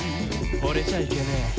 「ほれちゃいけねえ」